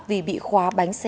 vì bị khóa